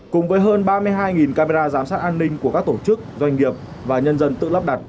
cùng với hơn ba mươi hai camera giám sát an ninh của các tổ chức doanh nghiệp và nhân dân tự lắp đặt